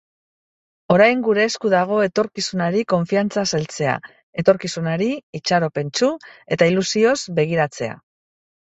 Orain gure esku dago etorkizunari konfiantzaz heltzea, etorkizunari itxaropentsu eta ilusioz begiratzea.